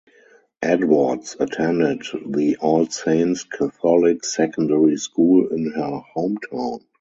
Edwards attended the All Saints Catholic Secondary School in her hometown.